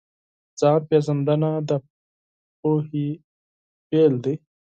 ځان پېژندنه د پوهې پیل دی.